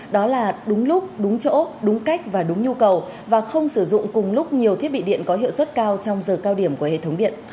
đó là đúng lúc đúng chỗ đúng cách và đúng nhu cầu và không sử dụng cùng lúc nhiều thiết bị điện có hiệu suất cao trong giờ cao điểm của hệ thống điện